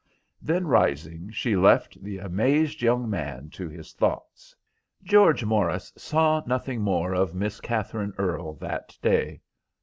Then, rising, she left the amazed young man to his thoughts. George Morris saw nothing more of Miss Katherine Earle that day.